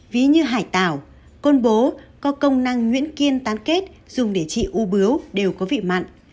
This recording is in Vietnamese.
ví như hải tảo côn bố có công năng nguyễn kiên tán kết dùng để trị u bướu đều có vị mặn